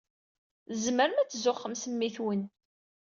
Tzemrem ad tzuxxem s mmi-twen.